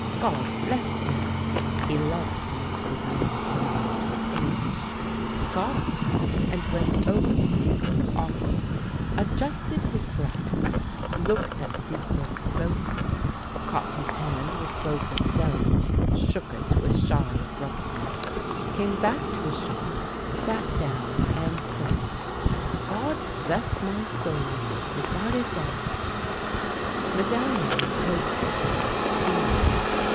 God bless me !" (he loved to mix his native language with Eng lish), got up and went over to Secord's office, adjusted his glasses, looked at Secord closely, caught his hand with both of his own, shook it with shy abruptness, came back to his shop, sat down, and said :" God bless my soul ! Regarded ga! " Medallion made his discovery sooner.